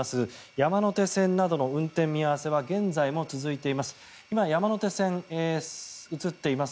山手線などの運転見合わせは現在も続いています。